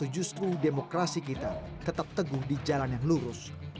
justru demokrasi kita tetap teguh di jalan yang lurus